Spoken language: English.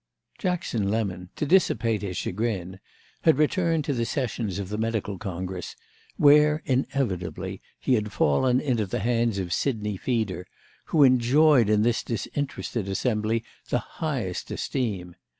Jackson Lemon, to dissipate his chagrin, had returned to the sessions of the medical congress, where, inevitably, he had fallen into the hands of Sidney Feeder, who enjoyed in this disinterested assembly the highest esteem.